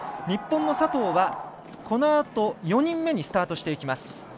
日本の佐藤はこのあと４人目にスタートしていきます。